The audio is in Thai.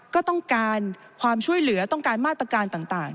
ก็ต้องการความช่วยเหลือต้องการมาตรการต่าง